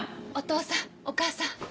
お義父さんお義母さん。